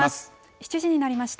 ７時になりました。